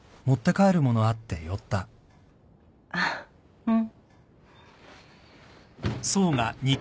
あっうん。